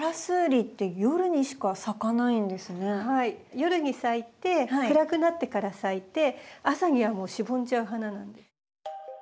夜に咲いて暗くなってから咲いて朝にはもうしぼんじゃう花なんです。